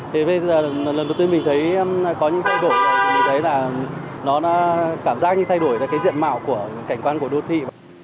thì bây giờ lần đầu tiên mình thấy có những thay đổi mình thấy là nó cảm giác như thay đổi về cái diện mạo của cảnh quan của đô thị